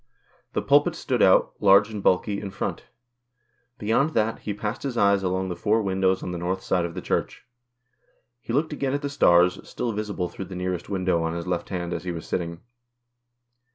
The pulpit stood out, large and bulky, in front. Beyond that, he passed his eyes along the four windows on the north side of the Church. He looked again at the stars, still visible through the nearest window on his left hand as he was sitting.